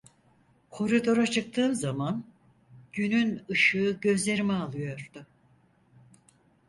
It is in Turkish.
Koridora çıktığım zaman, günün ışığı gözlerimi alıyordu.